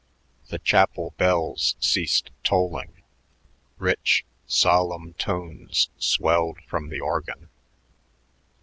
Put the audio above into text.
The chapel bells ceased tolling; rich, solemn tones swelled from the organ.